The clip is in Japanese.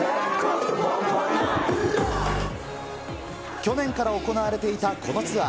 去年から行われていたこのツアー。